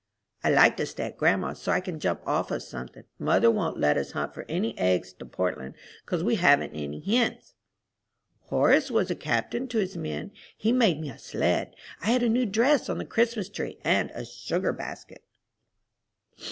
I like to stay at grandma's, so I can jump off of something. Mother won't let us hunt for any eggs to Portland 'cause we haven't any hens. Horace was a captain to his men. He made me a sled. I had a new dress on the Christmas tree, and a sugar basket.